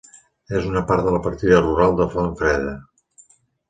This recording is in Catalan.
És una part de la partida rural de Font Freda.